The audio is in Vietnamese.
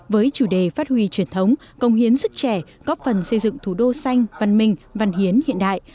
với chủ đề phát huy truyền thống công hiến sức trẻ góp phần xây dựng thủ đô xanh văn minh văn hiến hiện đại